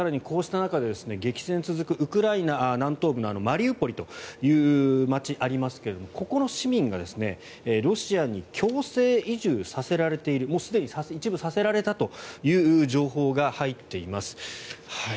こうした中で激戦が続くウクライナ南東部のマリウポリという街がありますがここの市民がロシアに強制移住させられているもうすでに一部させられたという情報が入っています。